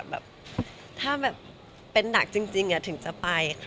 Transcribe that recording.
แบบถ้าแบบเป็นหนักจริงถึงจะไป